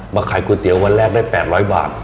ขายก๋วยเตี๋ยววันแรกได้๘๐๐บาท